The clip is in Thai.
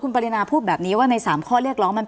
คุณปริณาค่ะหลังจากนี้จะเกิดอะไรขึ้นอีกได้บ้าง